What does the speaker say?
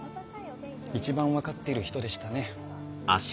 一番分かってる人でしたね。